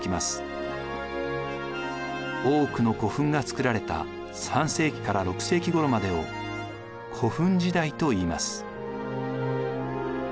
多くの古墳が造られた３世紀から６世紀ごろまでを古墳時代といいます。